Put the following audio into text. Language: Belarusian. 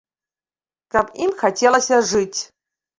Каб ім хацелася жыць!